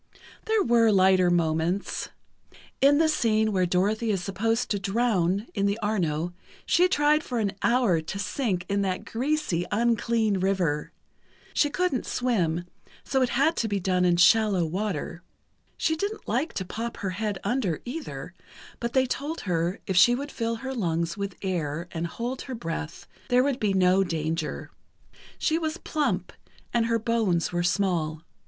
There were lighter moments: In the scene where Dorothy is supposed to drown in the Arno, she tried for an hour to sink in that greasy, unclean river. She couldn't swim, so it had to be done in shallow water. She didn't like to pop her head under, either, but they told her if she would fill her lungs with air and hold her breath, there would be no danger. She was plump, and her bones were small.